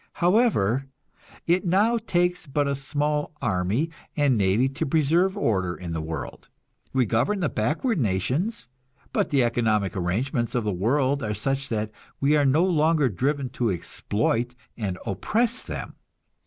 However, it now takes but a small army and navy to preserve order in the world. We govern the backward nations, but the economic arrangements of the world are such that we are no longer driven to exploit and oppress them.